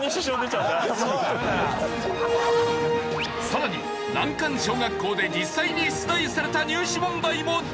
さらに難関小学校で実際に出題された入試問題も登場。